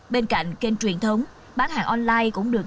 bên cạnh kênh truyền thống bán hàng online cũng được